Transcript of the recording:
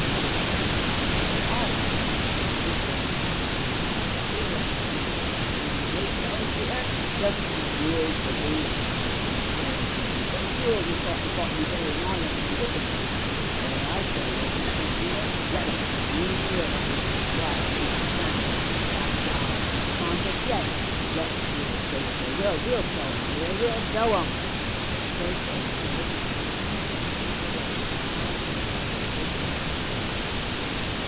nodded the Innkeeper. "Ay, lad," cried the Ancient, laying his hand upon my arm, "we'll up an' see Squire, you an' me shall us, Peter? There be some fules," said he, looking round upon the staring company, "some fules as talks o' Bot'ny Bay, an' irons, an' whippin' posts all I says is let 'em, Peter, let 'em! You an' me'll up an' see Squire, Peter, sha'n't us? Black Jarge aren't a convic' yet, let fules say what they will; we'll show 'em, Peter, we'll show 'em!" So saying, the old man led me into the kitchen of "The Bull," while Simon went to have the horses put to.